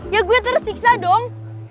ya gue terus diksa dong